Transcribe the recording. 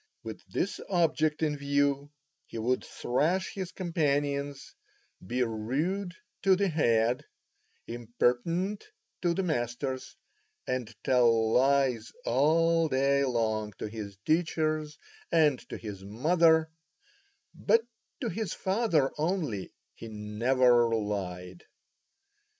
With this object in view he would thrash his companions, be rude to the Head, impertinent to the masters, and tell lies all day long to his teachers and to his mother—but to his father only he never lied.